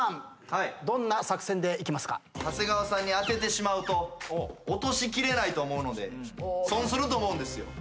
長谷川さんに当ててしまうと落としきれないと思うので損すると思うんですよ。